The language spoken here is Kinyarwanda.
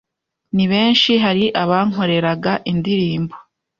Ni benshi! Hari abankoreraga indirimbo